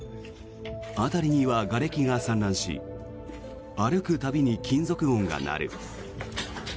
辺りには、がれきが散乱し歩く度に金属音が鳴る。